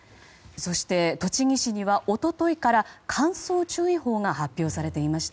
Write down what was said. そして栃木市には一昨日から乾燥注意報が発表されていました。